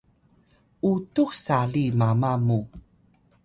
utux sali mama mu